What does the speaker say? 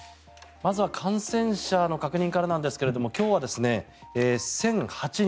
まずは感染者の確認からなんですが今日は１００８人。